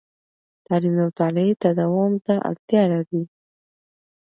تعلیم د مطالعې تداوم ته اړتیا لري.